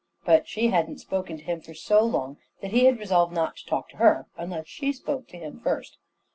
But she hadn't spoken to him for so long that he had resolved not to talk to her unless she spoke to him first.